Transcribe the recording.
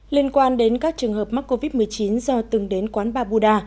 liên quan đến các trường hợp mắc covid một mươi chín do từng đến quán ba buda